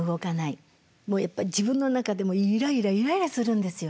もうやっぱ自分の中でもイライライライラするんですよ。